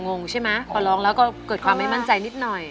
งงใช่ไหมพอร้องแล้วก็เกิดความไม่มั่นใจนิดหน่อย